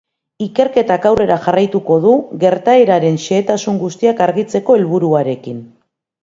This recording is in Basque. Ikerketak aurrera jarraituko du, gertaeraren xehetasun guztiak argitzeko helburuarekin.